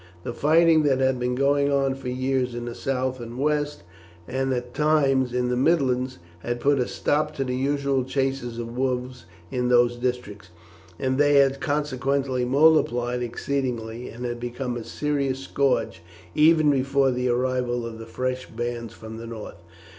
The fighting that had been going on for years in the south and west, and at times in the midlands, had put a stop to the usual chases of wolves in those districts, and they had consequently multiplied exceedingly and had become a serious scourge even before the arrival of the fresh bands from the north.